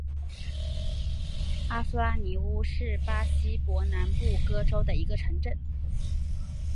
阿夫拉尼乌是巴西伯南布哥州的一个市镇。